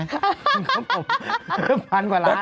ฮัฮฮัฮฮัฮฮัฮฮ่าเพิ่มพันกว่าล้าน